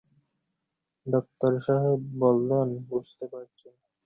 শিক্ষা অর্থে মানবের মধ্যে পূর্ব হইতেই যে-দেবত্ব রহিয়াছে, তাহাই প্রকাশ করা।